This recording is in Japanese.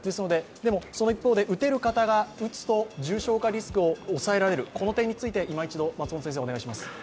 でも、その一方で打てる方が打つと重症化リスクを抑えられるこの点についていま一度お願いします。